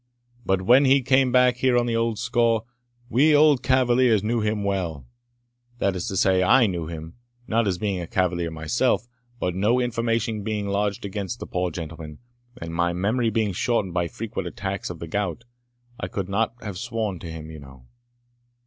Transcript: But when he came back here on the old score, we old cavaliers knew him well, that is to say, I knew him, not as being a cavalier myself, but no information being lodged against the poor gentleman, and my memory being shortened by frequent attacks of the gout, I could not have sworn to him, you know."